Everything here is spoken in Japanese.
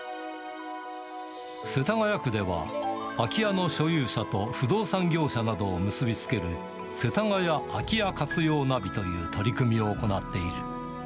世田谷区では、空き家の所有者と不動産業者などを結び付ける、せたがや空き家活用ナビという取り組みを行っている。